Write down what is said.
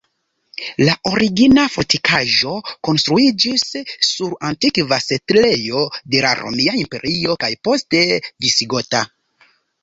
La origina fortikaĵo konstruiĝis sur antikva setlejo de la romia imperio kaj poste visigota.